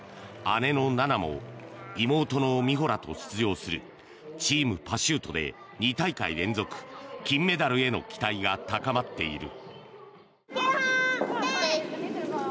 姉の菜那も妹の美帆らと出場するチームパシュートで２大会連続金メダルへの期待が高まっている。